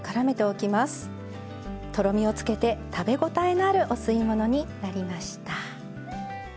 とろみをつけて食べ応えのあるお吸い物になりました。